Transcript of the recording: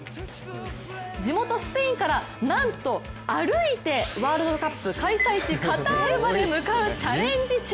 地元・スペインからなんと歩いてワールドカップ開催地・カタールまで向かうチャレンジ中。